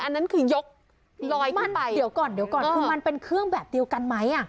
อันนั้นคือยกลอยขึ้นไปเดี๋ยวก่อนเดี๋ยวก่อนคือมันเป็นเครื่องแบบเดียวกันไหม